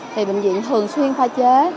thì bệnh viện thường xuyên pha chế